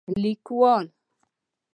لیکوال: